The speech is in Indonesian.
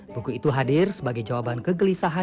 buku itu hadir sebagai jawaban kegelisahan